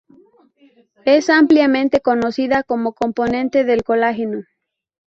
Es ampliamente conocida como componente del colágeno.